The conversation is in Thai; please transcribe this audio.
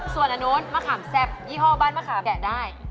ส่วนอันนู้นมะขามแซ่บยี่ห้อบ้านมะขามแกะได้